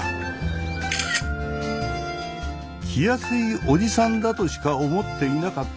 気安いおじさんだとしか思っていなかった